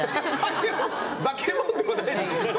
化け物ではないですけど。